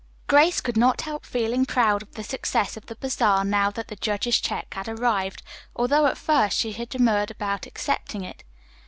Grace could not help feeling proud of the success of the bazaar now that the judge's check had arrived, although at first she had demurred about accepting it.